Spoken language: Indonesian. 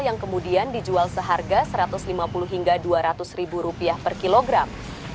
yang kemudian dijual seharga rp satu ratus lima puluh hingga rp dua ratus ribu rupiah per kilogram